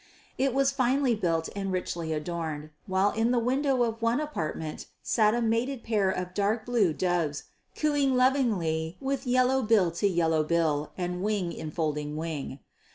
It was finely built and richly adorned, while in the window of one apartment sat a mated pair of dark blue doves cooing lovingly with yellow bill to yellow bill and wing enfolding wing.